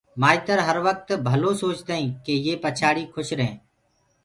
مآئتر هروقت ڀلو سوچدآئينٚ ڪي يي پڇآڙي کُش ريهينٚ